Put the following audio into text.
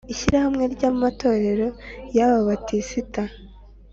Ishyirahamwe ry Amatorero y Ababatisita